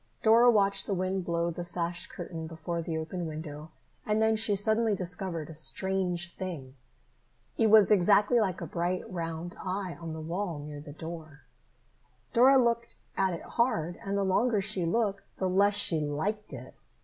Dora watched the wind blow the sash curtain before the open window and then she suddenly discovered a strange thing. It was exactly like a bright round eye on the wall near the door. Dora looked at it hard, and the longer she looked, the less she liked it.